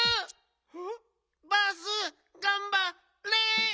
バースがんばれ。